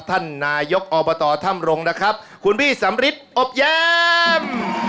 ท่านนายกอบตถ้ำรงนะครับคุณพี่สำริทอบแย้ม